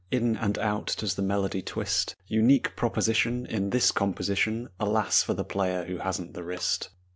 In and out does the melody twist Unique proposition Is this composition. (Alas! for the player who hasn't the wrist!)